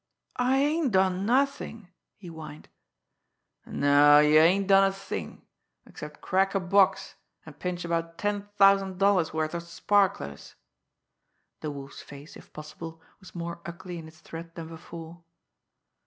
"I ain't done nothing!" he whined. "No, you ain't done a thing except crack a box and pinch about ten thousand dollars' worth of sparklers!" The Wolf's face, if possible, was more ugly in its threat than before.